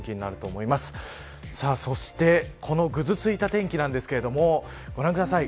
そしてこのぐずついた天気なんですけどご覧ください。